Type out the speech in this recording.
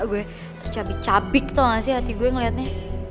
gue tercabik cabik tau gak sih hati gue ngeliatnya